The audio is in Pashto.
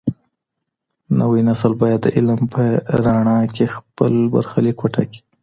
نوی نسل بايد د علم په رڼا کي خپل برخليک وټاکي.